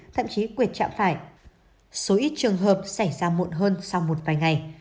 thậm chí quyệt chạm phải số ít trường hợp xảy ra muộn hơn sau một vài ngày